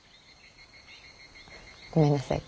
ごめんなさい。